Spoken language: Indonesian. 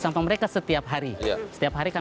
sampah mereka setiap hari